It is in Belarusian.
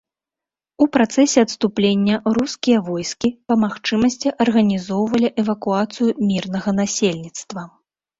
У працэсе адступлення рускія войскі, па магчымасці, арганізоўвалі эвакуацыю мірнага насельніцтва.